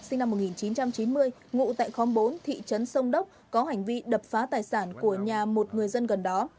sinh năm một nghìn chín trăm chín mươi ngụ tại khóm bốn thị trấn sông đốc có hành vi đập phá tài sản của nhà một người dân gần đó